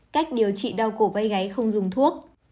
cách điều trị đau cổ vây gáy không dùng thuốc